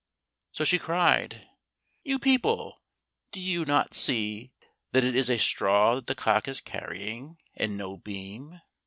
So she cried, "You people, do you not see that it is a straw that the cock is carrying, and no beam?"